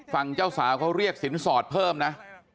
ฝั่งเจ้าสาวเขาเรียกสินสอดเพิ่มนะ